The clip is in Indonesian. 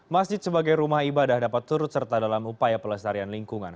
masjid sebagai rumah ibadah dapat turut serta dalam upaya pelestarian lingkungan